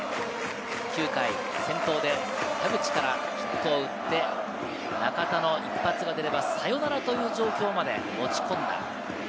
９回先頭で、田口からヒットを打って、中田の一発が出れば、サヨナラという状況まで持ち込んだ。